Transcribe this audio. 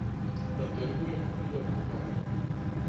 Na trgu je kupila kumare.